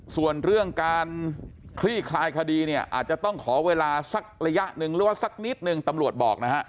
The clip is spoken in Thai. ส่วนเรื่องการคลี่คลายคดีเนี่ยอาจจะต้องขอเวลาสักระยะหนึ่งหรือว่าสักนิดนึงตำรวจบอกนะฮะ